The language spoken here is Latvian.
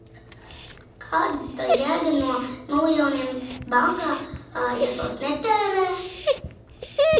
Kāda jēga no miljoniem bankā, ja tos netērē?